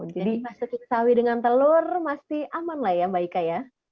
jadi masukan sawi dengan telur masih aman lah ya mba ika ya